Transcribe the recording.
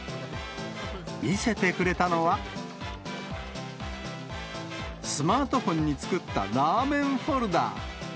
見せてくれたのは、スマートフォンに作ったラーメンフォルダ。